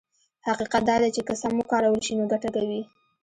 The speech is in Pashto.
حقيقت دا دی چې که سم وکارول شي نو ګټه کوي.